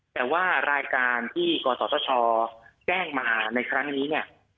แต่ว่ารายการที่กศชแจ้งมาในครั้งนี้เนี่ย